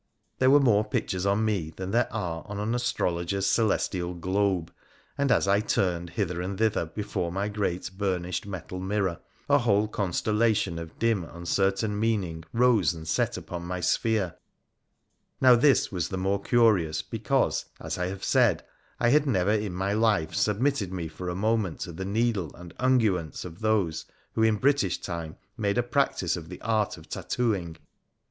There were more pictures on me than there are on an astrologer's celestial globe ; and as I turned hither and thither, before my great burnished metal mirror, a whole constellation of dim un certain meaning rose and set upon my sphere 1 Now this was the more curious, because, as I have said, I had never in my life submitted me for a moment to the needle and unguents of those who in British times made a practice of the art of tattooing.